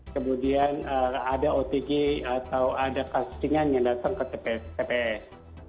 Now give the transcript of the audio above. kemudian ada otg atau ada kasus ringan yang datang ke tps